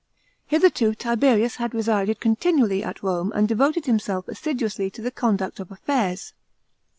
§ 15. Hitherto Tiberius had resided continually at Rome, and devoted himself assiduously to the conduct of affairs.